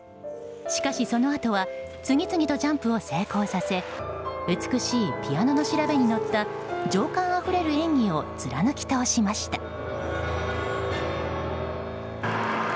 しかし、そのあとは次々とジャンプを成功させ美しいピアノの調べに乗った情感あふれる演技を貫き通しました。